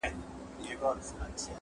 o درواغجن، هېرجن وي٫